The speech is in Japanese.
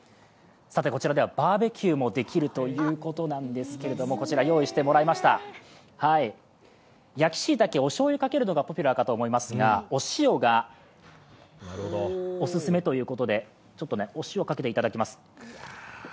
こちらではバーベキューもできるということなんですが、こちら、用意してもらいました焼きしいたけ、おしょうゆをかけるのがポピュラーかと思いますがお塩がおすすめということで、お塩をかけていただきます。